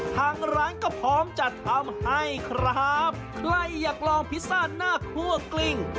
ทางร้านก็พร้อมจัดทำให้ครับใครอยากลองพิซซ่าหน้าคั่วกลิ้ง